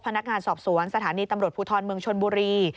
พนักงานสอบสวนสถานีตำรวจภูทรเมืองชนบุรี